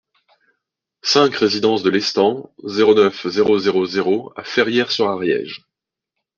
cinq résidence de Lestang, zéro neuf, zéro zéro zéro à Ferrières-sur-Ariège